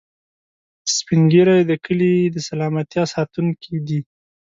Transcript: سپین ږیری د کلي د سلامتیا ساتونکي دي